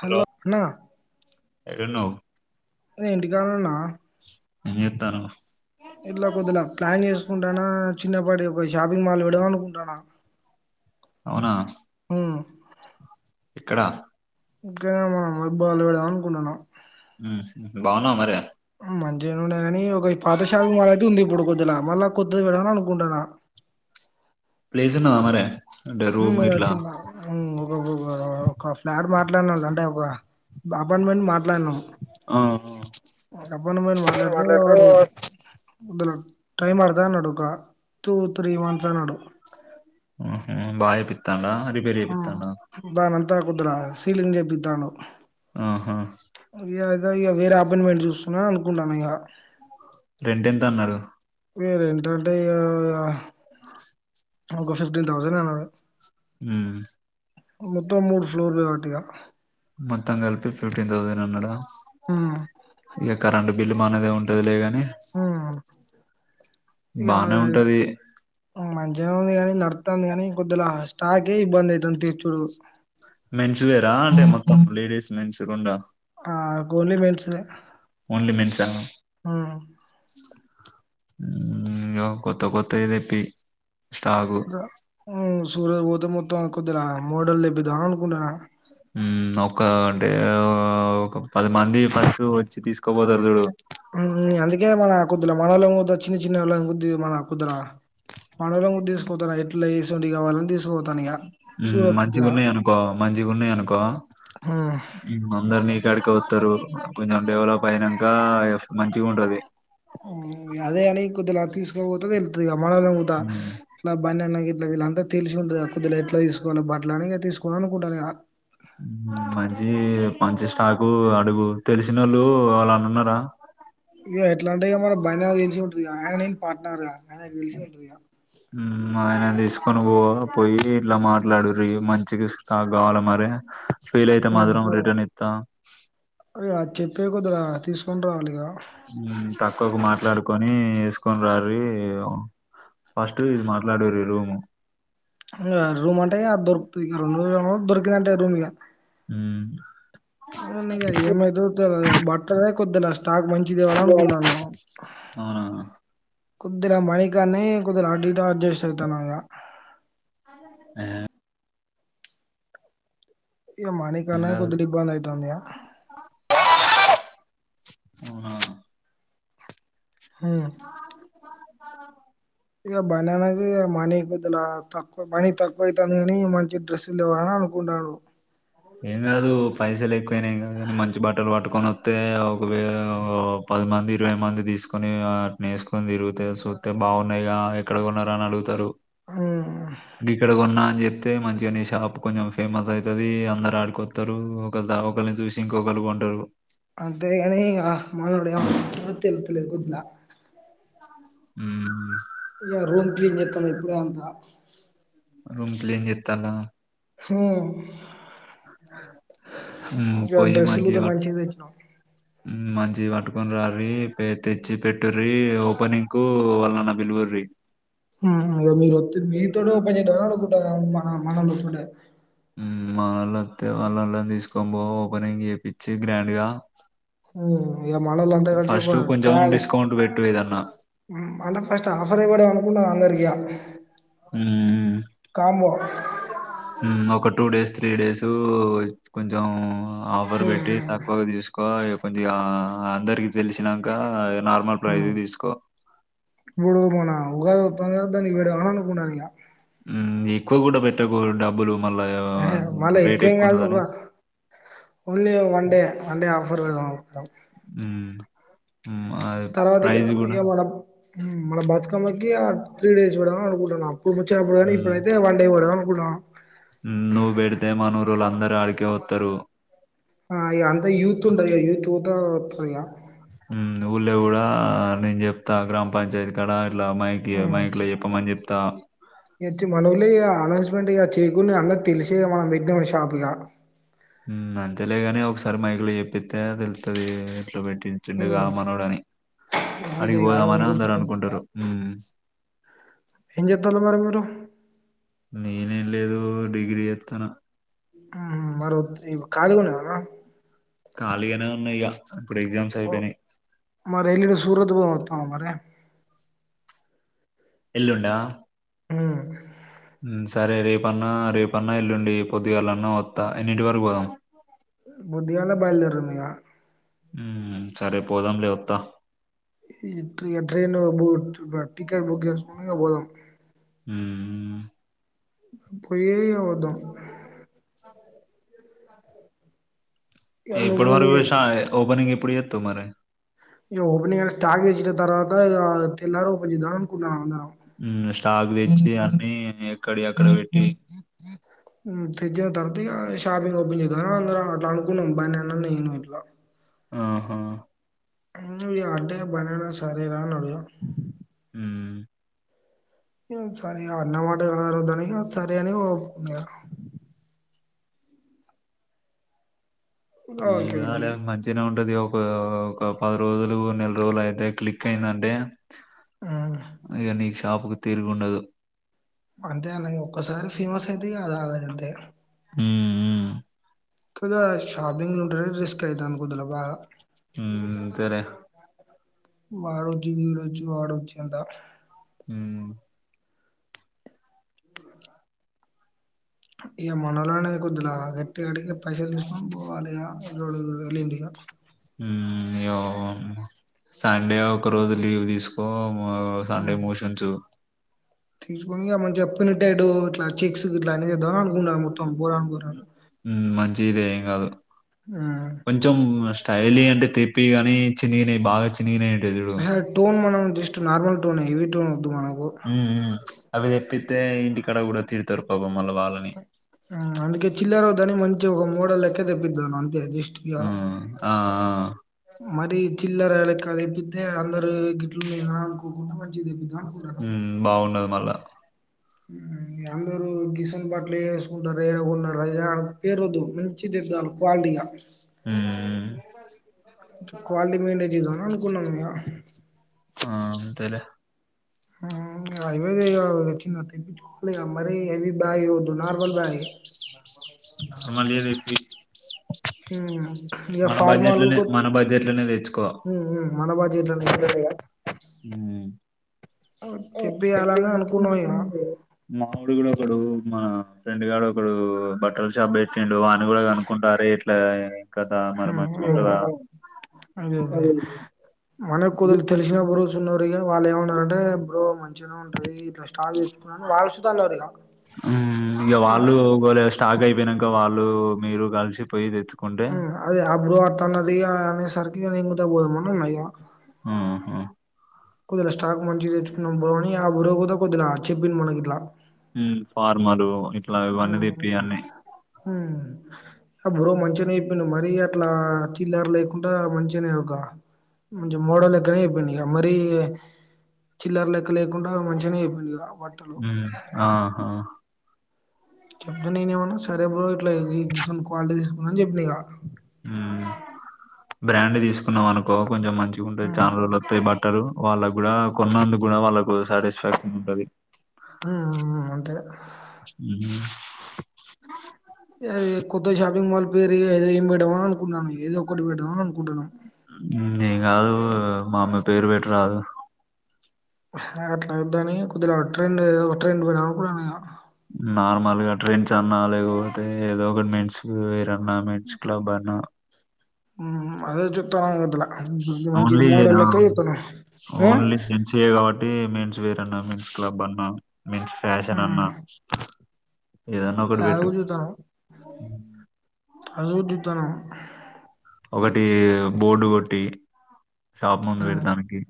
Hello న్న ఏడున్నావ్ నేను ఇంటికాడున్నా ఏం చేత్తానవ్. ఇంట్ల కొద్దిలా ప్లాన్ చేసుకుంటానా చిన్నప్పటి ఒక షాపింగ్ మాల్ కి పెడదాం అనుకుంటానా అవునా ఉ ఎక్కడ ఇంకాడ మనం ఎబ్బాల్లొ పెడదాం అనుకుంటనా. స్ బావున్నావ మరి ఉ మం ద్యలొనె కానీ ఒక ఇ పాత షాపింగ్ మాల్ అయితే ఉంది. ఇప్పుడు కొద్దిలా మళ్ళా కొత్ ది పెడదాం అనుకుంటన్నా ప్లేస్ ఉన్నదా మరే అంటే మ్మ్ రూమ్ ఒక ఇట్లా చిన్న ఉ ఒక ఫ్లాట్ మాట్లాడిన్నాం అంటే ఒక అపార్ట్మెంట్ మాట్లాడినాం. ఆ, ఆ, అపార్ట్మెంట్ మాట్లాడితే వాడు వద్ టైమ్ పడత అన్నాడు ఒక టూ త్రీ మంత్స్ అన్నడు. తందా రిపేర్ జెపిత్తాండ [unintelligible] సీలింగ్ చేపిత్తాండు ఆహా అ అద వేరే అపేన్మెంట్ చూ నా అనుకున్నం ఇగా రెంటెంతా అన్నారు మీ రెంటంటే ఇగా ఆ ఒక ఫిఫ్టీన్ థౌజండ్ అన్నాడు ఉమ్, మొత్తం మూడు ఫ్లోర్ కావట్టిగా మొత్తం కలిపి ఫిఫ్ టీన్ థౌసండ్ అన్నాడా హ్మ్ ఇగా కరెంటు బిల్ మనదే ఉంటంది లే గా హ్మ్ బానే ఉంటది ఏముంది గాని నడుత్తాంది గాని కొద్దుల స్టాకే ఇబ్బంది అయితాంది తీర్చూడు మెన్సు వేరా అంటే మొత్తం లేడీస్ మెన్సు రెండా ఆ గోలీ మెన్స్ వే ఓన్లీ మేన్స్ ఆ హ్మ్ కొత్త కొత్తవి తెప్పి స్టాకు ద హ్మ్ సూరత్ పోతే మొత్తం కొద్దిలా మోడల్ తెప్పిద్దాం అనుకుంటున్నా హ్మ్ ఒక అంటే ఒక పది మంది ఫస్ట్ వచ్చి తీసుకోపోతారు చూడు హ్మ్ అందుకే మన కుద్దుల మనలో చిన్న చిన్నలోని గుద్ది మన కుద్తుల మనలో తీసుకోతారా ఎట్లా చేసి [unintelligible] కావాలని తీసుకోవు హ్మ్ మంచిగా ఉన్నాయి అనుకో మంచిగా ఉన్నాయి అనుకో హ్మ్. హ్మ్ అందరు నీ కాడికి వస్తారు కొంచెం డెవలప్ అయిన గాయఫ్ హ్మ్ అదే అని కొద్దిలా తీసుకాపోతే తెలుస్తది మావోల్లుగుతా హ్మ్. ఇట్లా బన్నీ అన్న గిట్ల ఇట్లా వీళ్ళంత తెలిసి ఉండదు ఆ కుద్దిగా ఎట్లా తీసుకోవాల బట్ల అని తీసుకోవాల కొనుకుంటరిగా హ్మ్ మంచి మంచి స్టాకు అడుగు తెలిసినోళ్లు ఎవల్లన్న ఉన్నారా ఈగ అయన నేను పార్టనర్ గా ఆయనకు తెలిసి ఉంటది ఇక హ్మ్ ఆయన తీసుకొని పో పోయి ఇట్లా మాట్లాడురి మంచిగ స్టాక్ గావలి మరి ఫెయిల్ అయితే మాత్రం రిటర్న్ ఇస్తాం అదిగా చేప్పవుకదరా తీసుకొని రావాలి గా ఊ తక్కువకు మాట్లాడుకొని కోని రారి ఫస్ట్ ఇది మాట్లాడురి ఈ రూము రూమ్ అంటే దొరుకుతది రెండో రూము దోర్ గంటే రూమియా ఊ నీ అయ్యా ఏమి దొరికితే బర్త్డే కుద్ నష్ట స్టాక్ మంచిదేవాల అనుకున్నాను. అవునా కుద్దిగా మై ఇగ్గనే కొద్దిగ అటు ఇటు అడ్జస్ట్వుతున్నా ఇంగ ఇగ మణి ఏం కన్న కాదు కొద్దిగా ఇబ్బంది అయితుందియా అవునా అవును ఇ బననజ మనీగదల తక్కువ పని తక్కువ అయితందిగా నీ మంచి డ్రెస్ లేవు ఆడ అనుకుంటరు ఏం కాదు పైసలు ఎక్కువైనాయి కా కానీ మంచి బట్టలు పట్టుకొని వస్తే ఒకవే పదిమంది ఇరవై మంది తీసుకొని అటిని వేసుకుని తిరుగీతే చూస్తే బాగున్నాయి రా ఎక్కడ కొన్నవు అని అడుగుతారు. ఆ గిక్కడ కొన్నా అని చెప్తే మంచిగానే షాప్ కొంచెం ఫేమస్ అయితది అందరు ఆడికొస్తారు ఒకలి ఒకరిని చూసి ఇంకొకరు కొంటారు అంతేగాని ఇగ మనోడు ఏమంటాడో తెలుత్తలేదు కొద్దిలా ఊ ఈయల రూమ్ క్లీన్ చెస్తాంది ఇప్పుడే అంత రూమ్ క్లీన్ చేత్తందా హూ ఆ ఇవల డ్రెస్సులు అంత మంచివి తెచ్చినవు ఊ మంచిగా పట్టుకుని రార్రి పే తెచ్చి పెట్టుర్రి ఓపెనింగ్ కు వాళ్లన పిలువర్రి ఆహా ఇగో మీరు వస్తె మీ తోనే ఓపెన్ చేస్తారా అడుగు ఆ ఆ మన మనోళ్ళతోటే మావాలొస్తే వాళ్ళల్లని తీసుకొని పోయి ఓపెనింగ్ చేపించి గ్రాండ్ గా మ్మ్ ఇగ మల్లాలంతా కలిసి పోవాలే కొంచెం ట్రావెలే డిస్కౌంట్ పెట్టు ఏదన్నా. మల్ల ఫస్ట్ ఆఫర్ ఇవ్వడం అనుకున్న అందరికి ఇగ అ మ్మ్ మ్మ్ మ్మ్ మ్మ్ ఒకట్ టూ డేస్ త్రీ డేసు కొంచెం ఆఫర్ హ్మ్ పెట్టి తక్కువగా తీసుకో ఎ కొద్దిగా అందరికి తెలిసినాక మ్మ్ మూడు మన ఉగాదోతంది గా దానికి పెడదాం అనుకున్నాను ఇగ మ్మ్ ఎక్కువ కూడా పెట్టకు డబ్బులు మళ్ళా ఎ హ మల్ల రేట్ ఎక్కువేం కాదు ఒక ఎక్కువున్నదని. ఓన్లీ వన్ డే అంటే హఫ్ ఆఫర్ పెడదాం అనుకు హ్మ్ హ్మ్. అది తర్వాతి ఇగ ప్రైస్ కూడా ఇగ మన మన బతుకమ్మకి ఆ త్రీ డేస్ పెడదాం అనుకు టున్నాం కూర్చునప్పుడు కానీ ఇప్పుడైతే వన్డే పెడదాం ప్పుడ నువ్ బేడితే మనూరోళ్లందరూ ఆడికేవత్తరు ఆ ఇగ అంత యూత్ ఉంటదిగా యూత్ తా త్రేయా మ్మ్ మన ఊళ్లో గూడా నేన్ చెప్తా గ్రామ పంచాయతికాడ ల మైక్ ఇయ్యే మైక్ లో చెప్పమని చెప్ తా ఎచ్చి మన ఊళ్లో ఇగ అనౌన్స్మెంట్ ఇగ చేయకున్నా అందరికి తెలిసే మనం పెట్టినామని షాప్ ఇగ హ్మ్ అంతేలేగాని ఒకసారి మైకులో చెప్పిత్తే తెలుతది ఇట్లా పెట్ట్ ఇన్ చిండుగా హ్మ్ మనోడని అంతే ఇగ అదొక ఆడికిపోదామని గుర్తు అందరు ఉంటది ఇగ అనుకుంటరు మ్మ్ మ్మ్ ఏం చెత్తాల్ల మరి మీరు నేనేం లేదు డిగ్రీ చేత్తున్నా హ్మ్ మరో త్రీవ ఖాళీగ ఉన్నావ్ నువ్ ఖాళీగానే ఉన్నా ఇగ ఇప్పుడు ఎగ్జామ్స్ ఓ అయిపోయినాయి. మరి ఎల్లుండి సూరత్ పోదాం వత్తావా మరి ఎల్లుండా ఆమ్ సరే రేపన్నా రేపన్నా ఎల్లుండి పొద్దుగాళ్లన్నా వత్తా ఎన్నింటి వరకు పోదాం బుద్ధిగాల బయల్దేరదాం ఇగ మ్మ్ సరే పోదాం లే వస్తా ట్రైన్ బూట్ టికెట్ బుక్ చేసుకొని ఈగ పోంధం హ్మ్. పోయే వదం [unintelligible] ఇగ ఇప్పుడు నువ్వు మారి నే విషా ఓపనింగ్ [unintelligible] మారే ఓపెంగ్ స్టార్ట్ చేసిన తర్వాత తెల్లారి ఓపెనింగ్ చేదాం అనుకునం అందరం స్టాక్ తెచ్చి అన్ని ఎక్కడియి ఎక్కడ పెట్ ఫ్రిజ [unintelligible] ఇగ షాపింగ్ ఓపెన్ చేదం అందరం అట్లా అనుకున్నాం బన్నీ అన్న నేను ఇట్లా ఆహా ఇగ అంటే బన్నీ అన్న సరే రా అనాడు హ సరే ఇగ అన్నమాట ఎవరు దానికి సరే అని ఒప్పుకున్నారు ఇగ ఓకే అలా ఇద్దరివి మంచిగానే [unintelligible] ది ఒక ఒక పది రోజులు నెల రోజులు అయితే క్లిక్ అయిందంటే మ్మ్ ఇక నీ షాప్ తిరిగుండదు అంతే అలాగే ఒక్కసారి ఫేమస్ అయితే ఇగ [unintelligible] మ్మ్ మ్మ్ [unintelligible] షాపింగ్ [unintelligible] రిస్క్ అయిత అనుకుంటున్న బాగా మ్మ్ సరే వాడోజు వీడోచ్చు వాడోచ్చి అంతా మ్మ్ ఇగ మనోలనే ద్దులా గట్టి అడిగా పైసలు తీసుకొని పోవాలి ఇగా వెలింటిగా [unintelligible] సండే ఒక రోజు లీవ్ తీసుకో సండే మోషన్స్ తీసుకుని [unintelligible] చెప్పినట్టేటు ఇట్లా పిక్స్ గిట్ల అని చేదమ [unintelligible] మత్తం బరను బర హ్మ్. మంచిదే ఏం కాదు కొంచెం స్టైల్ పెళ్లి అంటే తెప్పిగాని చినినయి బాగా చినిన ఆ హే టోన్ మనం జస్ట్ నార్మల్ టోన్ నే హెవి టోన్ వద్దు మనకు ఉమ్మ్ హూ అవి చెప్పితే ఇంటి క్కడ కూడా తిడుతారు పాపం మళ్ళ వాళ్ళని హూ అందుకే చిలరు వొద్దని మంచి ఒక మోడ లక్క తెప్పిదాం అంతే అ హూ ఆ ఆ మరి చిల్లర లెక్క దెప్పితే అందరు గిట్లు నేనా అనుకోకుండా మ హూమ్ బాగుండదు మళ్ళా హుమ్ అందరుూ గిసన్ బట్లు ఏ వేసుకుంటారూ ఏడా కొన్నారు ఆది ఇది అని పేరు వద్దు మంచి తెద్దాలే క్వాలిటీగా హూ హు క్వాలిటీ మెయింటైన్ చేద్దాం మా ఆన్ కున్నాం గా ఆ అంతలే హా అయిపోతే ఇంగ వచ్చిన తెప్పించుకోవాలి గా మరి అవి బాయి వద్దూ నార్మల్ బాయి ఏ ఆ హా మా లేదు ఇట్టి ఇగ మన బడ్జెట్ ఫార్మల్ లనే మన బడ్జెట్ లనే తెచ్చుకో మన బడ్జెట్లనే ఇగ హూ తెప్పియాలని అనుకున్నాం ఇగ మా వోడు కూడా ఒకడు మా ఫ్రెండ్ గాడు ఒకడు బట్టలు షాప్ పెట్టిండు వాని కూడా కనుకుంటారే ఇట్లా కదా హు మరి మంచిగా హుమ్ ఉంటదా అదే అదే మన కుదరు తెలిసిన బ్రో సున్నరు కానీ వాళ్ళు ఏమన్నారంటే బ్రో మం చి గానే ఉంటది ఇట్ స్టాల్ తీసుకున్నాను వాళ్ళు సుత లేరు ఇగా హుమ్ ఇగ వాళ్ళు ఒకవేళ స్టాక్ అయి వినక వాళ్ళు మీరు కలిసి పోయి తెచ్ హుమ్ అదే అప్పుడు అట్టన్నదిగా అనే సార్ ంగ గూత పోదామని ఉన్నాయ హూ హు కుదర స్టాక్ మంచిగా తెచ్చుకున్నాం బ్రో అని ఆ బ్రో గుత కొద్దున చెప్పింన్ మనకి ఇట్లా మ్మ్ ఫార్మరు హుమ్మ్ హు ఆ బ్రో మంచిగానే చెప్పిండు మరి అట్లా చిల్లర లేకుండా మంచిగానే ఒక మంచి మోడో లెక్కనే చెప్పిండు మరీ చిల్లర లెక్క లేకుండా మంచిగా నే చెప్పిండు ఇక బట్టలు మ్మ్ ఆహా చెప్తానేనేవున్న సరే బ్రో ఇట్లా గీసున్ క్వాలిటీ తీసుకుందాం అని చెప్పిన ఇక హుమ్ బ్రాండ్ తీసుకున్నాం అను కో కొంచెం మంచిగా ఉంటాయి చానా రోజులు వత్తాయి బట్టలు వాళ్ళ కూడా కొన్నందు కూడా వాళ్ళకు సాటిస్ఫాక్షన్ ఉంటది ఉమ్ ఉమ్ అంతే హ్మ్. వేరే [unintelligible] ఏం పెట్టవా అనుకున్నాను ఏదో ఒకటి పెట్టవా నీన్ గాదు మా అమ్మ పేరు పెట రాదు అట్లద్దని కొద్దిల ట్రెండ్ ఏదో ట్రెండ్ పెడదాం అనుకోని పోయిన నార్మల్ గా ట్రైన్స్ అన్నా లేకపోతే ఏదో ఒకటి మెన్స్ వేర్ అన్న న్న మెన్స్ క్లబ్ అన్న ఉ ఉ అదే చెప్తన్న గటల ఓన్లీ ఆ ఆ ఓన్లీ జేన్స్ వే కాబట్టి మెన్ జ్వేరన్న మేన్స్ క్లబ్ అన్నా మేన్స్ ఫ్యాషన్ ఉమ్ అన్నా ఏదన్నా ఒకటి అది పెట్టు. అగుటి తిత్తన్నం హ్మ్. అదిగూడ తిత్తన్నం ఒకటి బోర్డు కొట్టి షాప్ ముందు ఉమ్ పెడతానికి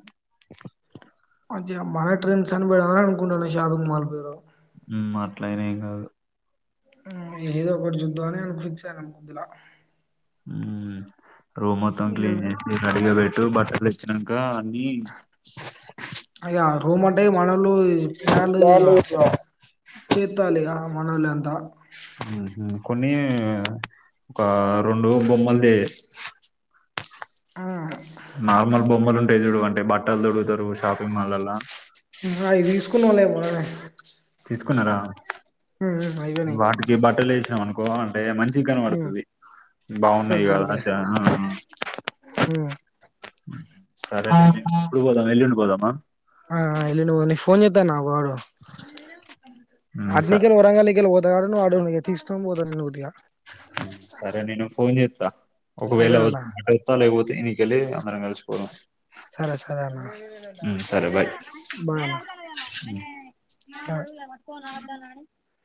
మంచిగ మన ట్రెండ్స్ అని పెడదాం అనుకుంటన్న షాపింగ్ మాల్ పేరు ఉమ్ అట్లాయిన ఏం కాదు ఊ ఏదో ఒకటి చూద్దాం అని ఫిక్స్ అయినం కొద్దులా ఊ రూమ్ మొత్తం క్లీన్ ఏదో చేసి రడిగా పెట్టు బట్టలు తెచ్చి వచ్చినంక ఇగా రూమ్ అంటే మనోళ్లు ఈ పిలగాల్లు ఇగా చేత్తాళ్ళు ఇగా మనోలంత ఉహు కొన్ని ఒక రెండు బొమ్మలు దే ఆ నార్మల్ బొమ్మల్ ఉ పెళ్లుడు అంటే బట్టలు తొడుగుతరు షాపింగ్ మల్లాల అవి తీసుకున్నవులే మొన్ననే తీసుకున్నారా వాటికి బట్టలేసినవను కోన్ అంటే మంచి ఉమ్ గనపడుతది బాగున్నాయి ఓకే కదా ఓకే హ హ ఉమ్ సరే ఎప్పుడు పోదాం ఎల్లుండి పోదామా పోన్ చెతాన్నా ఆగు వాడు హ్మ్ సరే అడ్నికలు వరంగల్ మీదికెళ్ళి పోత ఉదయ్ గాడు వాడు ఇగ తీసుకని పోదా ఉదయ సరే నేను ఫోన్ చేత్త ఒకవేళ సరే ఉ అన్న ఎవరితో వెల్తరు లెక పొతె ఇనికలే వరంగల్ స్కూల్ సరే సరే అన్న ఊ సరే బాయ్ బాయ్ అన్న